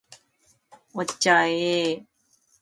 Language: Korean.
여자의 후손은 네 머리를 상하게 할 것이요